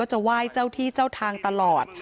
จะไหว้เจ้าที่เจ้าทางตลอด